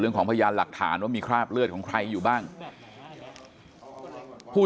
ของพยานหลักฐานว่ามีคราบเลือดของใครอยู่บ้างผู้